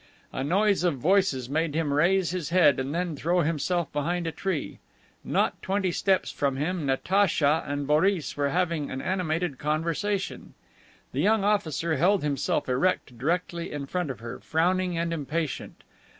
A noise of voices made him raise his head and then throw himself behind a tree. Not twenty steps from him Natacha and Boris were having an animated conversation. The young officer held himself erect directly in front of her, frowning and impatient.